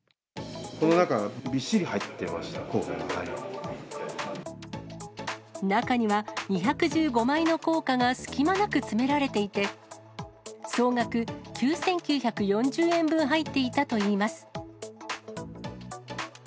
この中、中には、２１５枚の硬貨が隙間なく詰められていて、総額９９４０円分入っていたといいます。